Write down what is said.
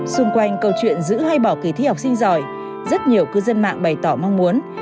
xung quanh câu chuyện giữ hay bỏ kỳ thi học sinh giỏi rất nhiều cư dân mạng bày tỏ mong muốn